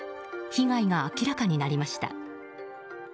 被害が明らかになりました。